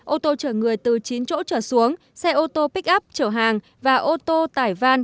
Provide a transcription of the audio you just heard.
ô tô chở người từ chín chỗ chở xuống xe ô tô bích up chở hàng và ô tô tải van